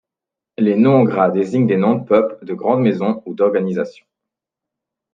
Les noms en gras désignent des noms de peuples, de Grandes Maisons ou d'organisation.